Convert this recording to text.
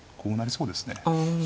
そうですね